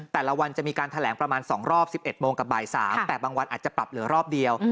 แต่ละวันจะมีการแถลงประมาณ๒รอบ๑๑โมงกับบ่าย๓แต่บางวันอาจจะปรับเหลือรอบเดียว